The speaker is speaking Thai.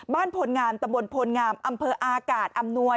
บ้านโพลงามตำรวจโพลงามอำเภออากาศอำนวย